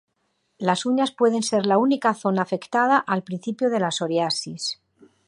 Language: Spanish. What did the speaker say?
Las uñas pueden ser la única zona afectada al principio de la psoriasis.